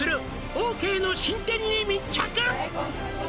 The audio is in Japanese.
「オーケーの新店に密着！」